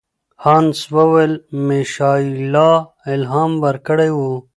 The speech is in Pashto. هانس وویل میشایلا الهام ورکړی و.